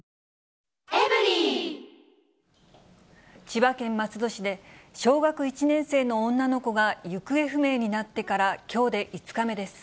千葉県松戸市で、小学１年生の女の子が行方不明になってからきょうで５日目です。